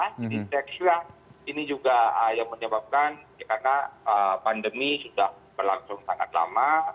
saya kira ini juga yang menyebabkan karena pandemi sudah berlangsung sangat lama